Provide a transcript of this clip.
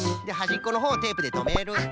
ではじっこのほうをテープでとめる。